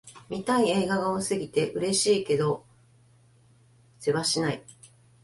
見たい映画が多すぎて、嬉しいけどせわしない